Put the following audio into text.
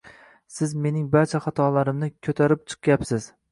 Siz mening barcha xatolarimni koʻtarib chiqyapsiz.